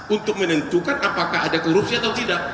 untuk menentukan apakah ada korupsi atau tidak